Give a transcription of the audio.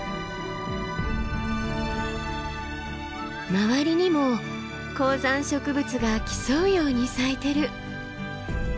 周りにも高山植物が競うように咲いてる。